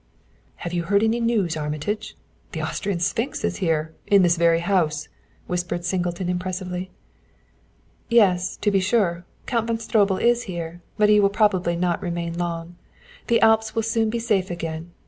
"Have you heard the news, Armitage? The Austrian sphinx is here in this very house!" whispered Singleton impressively. "Yes; to be sure, Count von Stroebel is here, but he will probably not remain long. The Alps will soon be safe again.